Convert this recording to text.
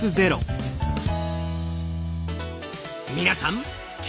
皆さん